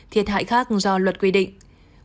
thiệt hại khác do luật quy định